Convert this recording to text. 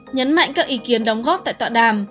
nhấn mạnh các ý kiến đóng góp tại tọa đàm